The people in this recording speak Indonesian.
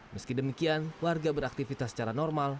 meski demikian warga beraktivitas secara normal